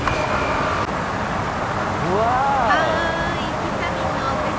ひさみんのお手製